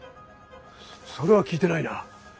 それは聞いてないな。